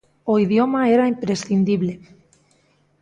O idioma era imprescindible.